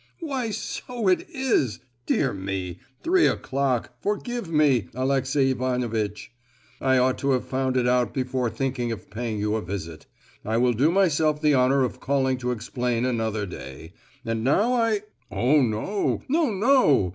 "Why, so it is! dear me—three o'clock! forgive me, Aleksey Ivanovitch! I ought to have found it out before thinking of paying you a visit. I will do myself the honour of calling to explain another day, and now I—." "Oh no;—no, no!